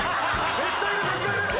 めっちゃいる！